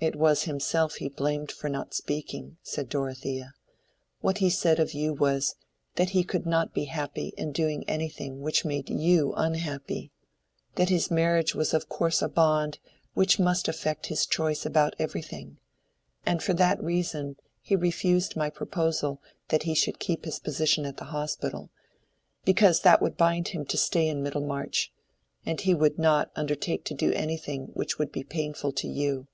"It was himself he blamed for not speaking," said Dorothea. "What he said of you was, that he could not be happy in doing anything which made you unhappy—that his marriage was of course a bond which must affect his choice about everything; and for that reason he refused my proposal that he should keep his position at the Hospital, because that would bind him to stay in Middlemarch, and he would not undertake to do anything which would be painful to you.